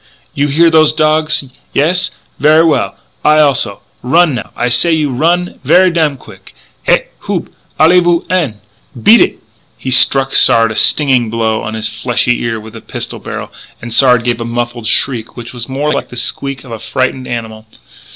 "You hear those dogs? Yes? Ver' well; I also. Run, now. I say to you run ver' damn quick. Hé! Houp! Allez vous en! Beat eet!" He struck Sard a stinging blow on his fleshy ear with the pistol barrel, and Sard gave a muffled shriek which was more like the squeak of a frightened animal.